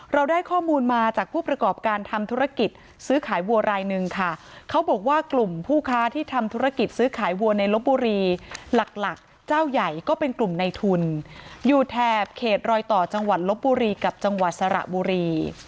เราได้ข้อมูลมาจากผู้ประกอบการทำธุรกิจซื้อขายวัวรายหนึ่งค่ะเขาบอกว่ากลุ่มผู้ค้าที่ทำธุรกิจซื้อขายวัวในลบบุรีหลักหลักเจ้าใหญ่ก็เป็นกลุ่มในทุนอยู่แถบเขตรอยต่อจังหวัดลบบุรีกับจังหวัดสระบุรี